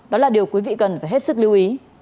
đó là điều quý vị cần phải hết sức lưu ý